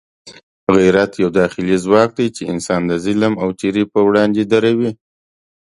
غیرت یو داخلي ځواک دی چې انسان د ظلم او تېري پر وړاندې دروي.